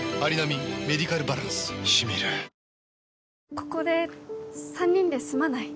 ここで３人で住まない？